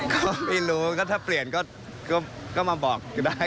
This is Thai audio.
ก็ไม่รู้ก็ถ้าเปลี่ยนก็มาบอกก็ได้